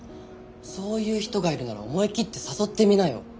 そういう人がいるなら思い切って誘ってみなよ。